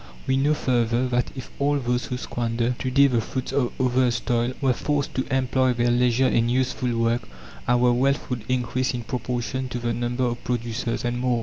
We know further that if all those who squander to day the fruits of others' toil were forced to employ their leisure in useful work, our wealth would increase in proportion to the number of producers, and more.